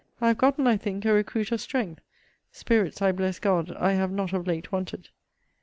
I have gotten, I think, a recruit of strength: spirits, I bless God, I have not of late wanted.